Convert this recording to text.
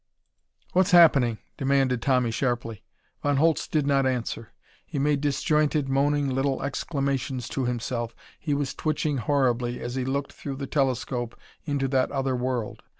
"What's happening?" demanded Tommy sharply. Von Holtz did not answer. He made disjointed, moaning little exclamations to himself. He was twitching horribly as he looked through the telescope into that other world....